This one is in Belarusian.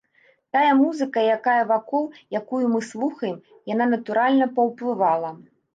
Тая музыка, якая вакол, якую мы слухаем, яна, натуральна, паўплывала.